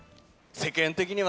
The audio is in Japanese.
世間的には、